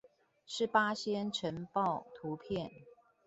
是八仙塵爆圖片